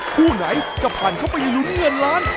ผู้ไหนจะปั่นเข้าไปหลุ้นเงียนล้าน